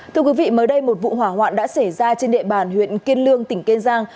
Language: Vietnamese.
thưa quý vị mới đây một vụ hỏa hoạn đã xảy ra trên địa bàn huyện kiên lương tỉnh kiên giang